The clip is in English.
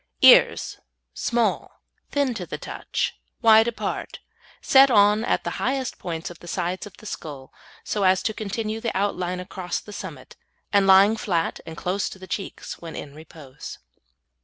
EARS Small, thin to the touch, wide apart, set on at the highest points of the sides of the skull, so as to continue the outline across the summit, and lying flat and close to the cheeks when in repose.